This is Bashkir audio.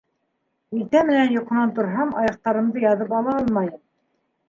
Иртә менән йоҡонан торһам, аяҡтарымды яҙып ала алмайым.